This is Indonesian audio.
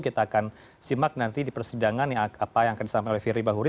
kita akan simak nanti di persidangan apa yang akan disampaikan oleh firl bahuri